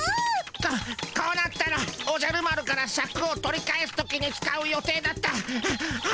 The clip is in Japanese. ここうなったらおじゃる丸からシャクを取り返す時に使う予定だったアレを使うでゴンス。